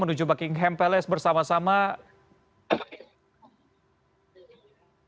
ya baik bagaimana dengan warga negara indonesia di sana apakah kalian juga berkumpul berbicara